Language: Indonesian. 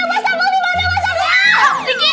najwa dinda gua sambung